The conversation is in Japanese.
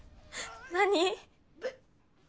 何？